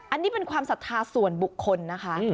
อันนี้เป็นความศรัทธาส่วนบุคคลนะคะ